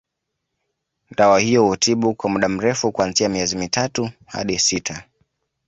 Dawa hiyo hutibu kwa muda mrefu kuanzia miezi mitatu hadi sita